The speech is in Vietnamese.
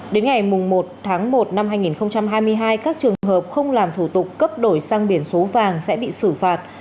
đến ngày một tháng một năm hai nghìn hai mươi hai các trường hợp không làm thủ tục cấp đổi sang biển số vàng sẽ bị xử phạt